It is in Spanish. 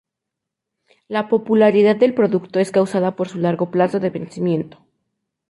La popularidad del producto es causada por su largo plazo de vencimiento.